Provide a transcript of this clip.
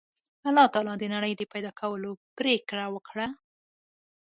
الله تعالی د نړۍ د پیدا کولو پرېکړه وکړه